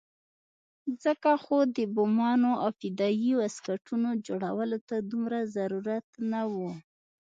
ځکه خو د بمانو او فدايي واسکټونو جوړولو ته دومره ضرورت نه وو.